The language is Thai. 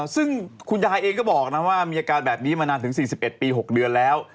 ซึ่งคุณยายเองก็บอกนะว่ามีอาการแบบนี้มานานถึง๔๑ปี๖เดือนแล้ว